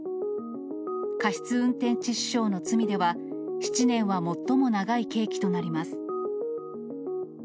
過失運転致死傷の罪では、７年は最も長い刑期となります。